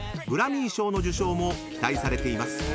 グラミー賞の受賞も期待されています］